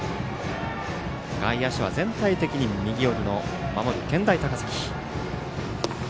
外野手は全体的に右寄り守る健大高崎。